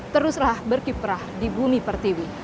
teruslah berkiprah di bumi pertiwi